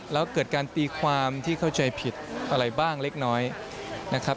แล้วเกิดการตีความที่เข้าใจผิดอะไรบ้างเล็กน้อยนะครับ